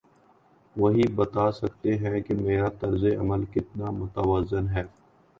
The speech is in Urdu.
وہی بتا سکتے ہیں کہ میرا طرز عمل کتنا متوازن ہے۔